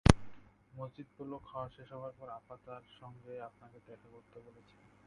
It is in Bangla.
মজিদ বলল, খাওয়া শেষ হবার পর আপা তাঁর সঙ্গে আপনাকে দেখা করতে বলেছেন।